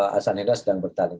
hasan hendrak sedang bertanding